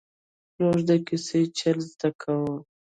ـ مونږ د کیسو چل زده کاوه!